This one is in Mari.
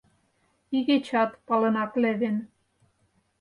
Игечат палынак левен.